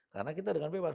karena kita dengan bebas